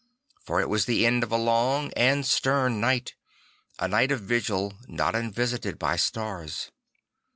For it was the end of a long and stem night, a night of vigil, not unvisited by stars.